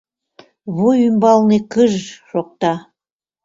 Вуй ӱмбалне кыж-ж шокта.